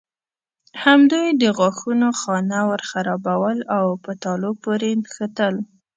همدوی د غاښونو خانه ورخرابول او په تالو پورې نښتل.